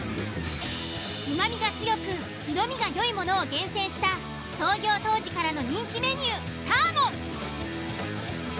旨みが強く色味がよいものを厳選した創業当時からの人気メニュー。